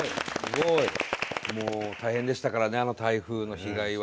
もう大変でしたからねあの台風の被害は。